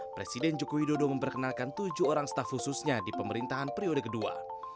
presiden joko widodo memperkenalkan tujuh orang staff khususnya di pemerintahan periode kedua